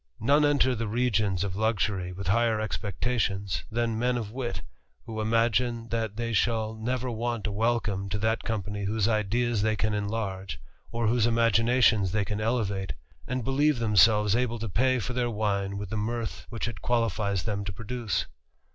None enter the regions of luxury with higher expectations lan men of wit, who imagine that they shall never want a elcome to that company whose ideas they can enlarge, or hose imaginations they can elevate, and believe themselves >le to pay for their wine with the mirth which it qualifies lem to produce.